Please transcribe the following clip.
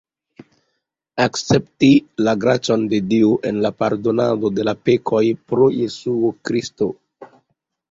Akcepti la gracon de Dio en la pardonado de la pekoj pro Jesuo Kristo.